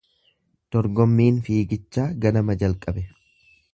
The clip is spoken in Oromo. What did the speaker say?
Dorgommiin fiigichaa ganama jalqabe.